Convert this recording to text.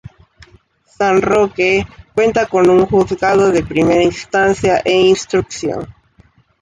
San Roque cuenta con un juzgado de Primera Instancia e Instrucción.